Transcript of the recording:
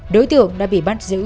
đối tượng đã bị bắt giữ